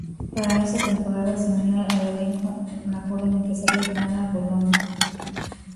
Para esa temporada, se unió al elenco la joven empresaria Joanna Boloña.